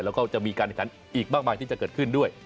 และก็จะมีการณญการอีกมากที่จะเกิดขึ้นด้วย